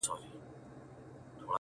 • ستا د تروم له بد شامته جنګېدله ,